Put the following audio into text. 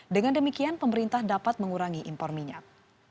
dengan demikian pemerintah dapat mengurangi impor minyak